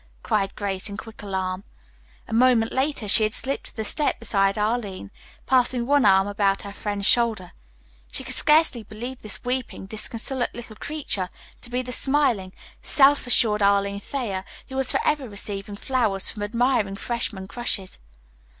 cried Grace in quick alarm. A moment later she had slipped to the step beside Arline, passing one arm about her friend's shoulder. She could scarcely believe this weeping, disconsolate little creature to be the smiling, self assured Arline Thayer, who was forever receiving flowers from admiring freshmen crushes.